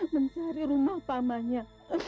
mencari rumah pamahnya